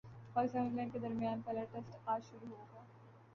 پاکستان اور انگلینڈ کے درمیان پہلا ٹیسٹ اج شروع ہوگا